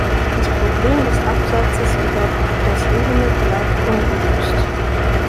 Das Problem des Absatzes über das Internet bleibt ungelöst.